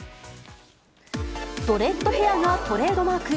ドレッドヘアがトレードマーク。